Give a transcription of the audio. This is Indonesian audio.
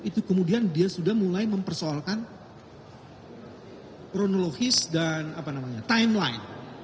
itu kemudian dia sudah mulai mempersoalkan kronologis dan timeline